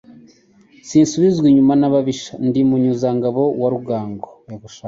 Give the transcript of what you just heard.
Sinsubizwa inyuma n'ababisha..Ndi Munyuzangabo wa Rugango,